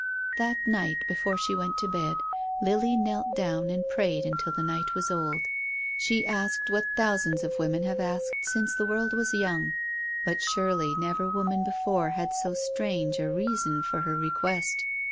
That night, before she went to bed, Lily knelt down and prayed until the night was old. She asked what thousands of women have asked since the world was young. But surely never woman before had so strange a reason for her request.